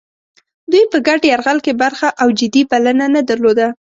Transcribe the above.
دوی په ګډ یرغل کې برخه او جدي بلنه نه درلوده.